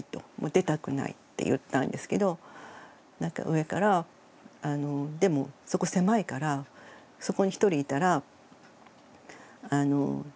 出たくないって言ったんですけど上からでもそこ狭いからそこに１人いたら人が入れないと。